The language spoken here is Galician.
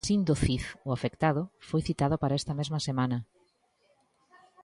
Sindo Cid, o afectado, foi citado para esta mesma semana.